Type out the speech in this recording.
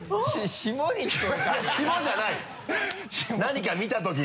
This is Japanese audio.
下じゃない。